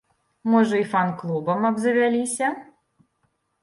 Можа, і фан-клубам абзавяліся?